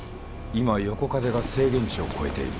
今横風が制限値を超えている。